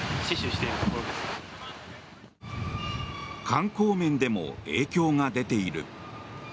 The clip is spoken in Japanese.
観光面でも影響が出ている。